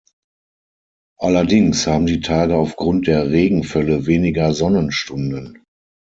Allerdings haben die Tage aufgrund der Regenfälle weniger Sonnenstunden.